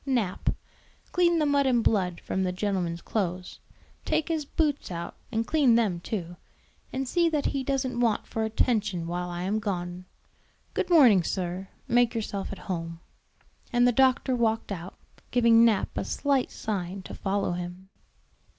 Nap, clean the mud and blood from the gentleman's clothes; take his boots out and clean them too; and see that he doesn't want for attention while I am gone. Good morning, sir; make yourself at home." And the doctor walked out, giving Nap a slight sign to follow him.